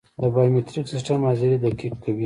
د بایومتریک سیستم حاضري دقیق کوي